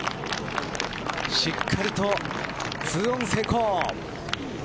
しっかりと２オン成功。